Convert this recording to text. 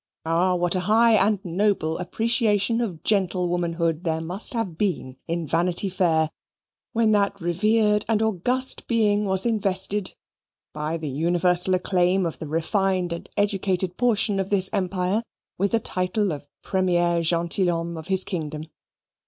Ah, what a high and noble appreciation of Gentlewomanhood there must have been in Vanity Fair, when that revered and august being was invested, by the universal acclaim of the refined and educated portion of this empire, with the title of Premier Gentilhomme of his Kingdom.